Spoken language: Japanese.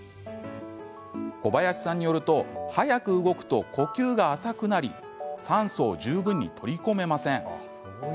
小林さんによると早く動くと呼吸が浅くなり酸素を十分に取り込めません。